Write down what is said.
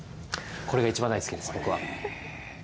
これが一番大好きです、僕は。